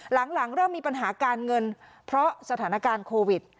หลังเริ่มมีปัญหาการเงินเพราะสถานการณ์โควิด